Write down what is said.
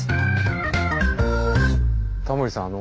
タモリさん